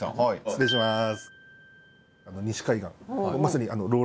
失礼します。